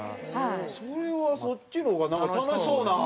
それはそっちの方がなんか楽しそうな。